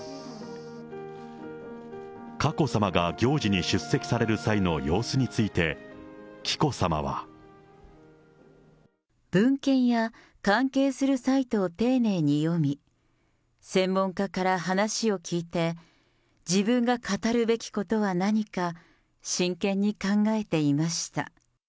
佳子さまが行事に出席される際の様子について、紀子さまは。文献や関係するサイトを丁寧に読み、専門家から話を聞いて、自分が語るべきことは何か真剣に考えていました。